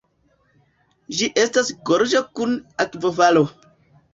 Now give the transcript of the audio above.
Ĝi estas gorĝo kun akvofalo.